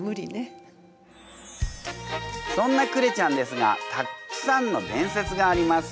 そんなクレちゃんですがたっくさんの伝説があります。